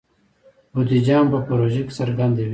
بودیجه هم په پروژه کې څرګنده وي.